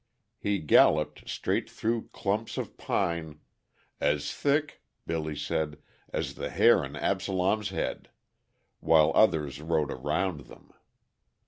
He galloped straight through clumps of pine, "as thick," Billy said, "as the hair on Absalom's head," while others rode around them.